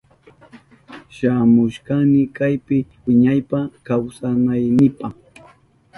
Shamushkani kaypi wiñaypa kawsanaynipa.